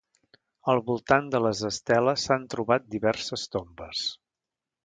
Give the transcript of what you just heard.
Al voltant de les esteles s'han trobat diverses tombes.